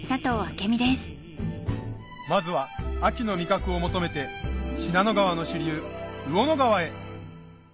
まずは秋の味覚を求めて信濃川の支流魚野川へ